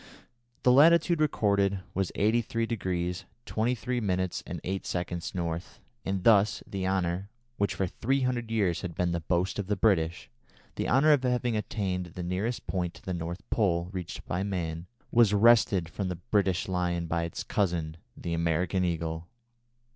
The latitude recorded was 83° 23' 8" N., and thus the honour, which for three hundred years had been the boast of the British, the honour of having attained the nearest point to the North Pole reached by man, was wrested from the British Lion by its cousin, the American Eagle.